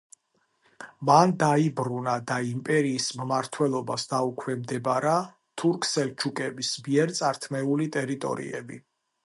მან დაიბრუნა და იმპერიის მმართველობას დაუქვემდებარა თურქ-სელჩუკების მიერ წართმეული ტერიტორიები.